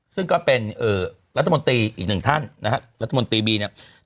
ซึ่งก็เป็นรัฐมนตรีอีกหนึ่งท่านนะฮะรัฐมนตรีบีเนี่ย